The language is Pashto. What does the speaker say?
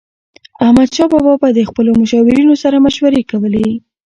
احمدشاه بابا به د خپلو مشاورینو سره مشورې کولي.